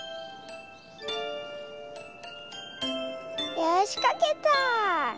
よしかけた！